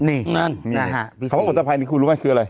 นี่ขอบคุณธรรมนุษย์นี้คุณรู้มั้ยคืออะไร